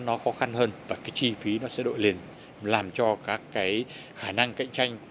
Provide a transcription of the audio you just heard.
nó khó khăn hơn và cái chi phí nó sẽ đội lên làm cho các cái khả năng cạnh tranh